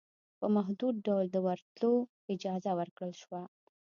په محدود ډول دورتلو اجازه ورکړل شوه